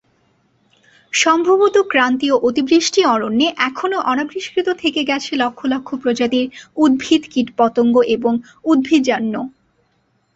সম্ভবত ক্রান্তীয় অতিবৃষ্টি অরণ্যে এখনও অনাবিষ্কৃত থেকে গেছে লক্ষ লক্ষ প্রজাতির উদ্ভিদ, কীটপতঙ্গ এবং উদ্ভিজ্জাণু।